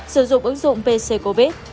sử dụng ứng dụng pc covid